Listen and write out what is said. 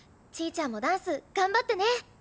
ちぃちゃんもダンス頑張ってね。